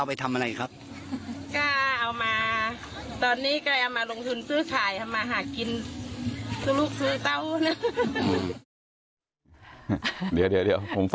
สบายดีนะครับพี่วีของผม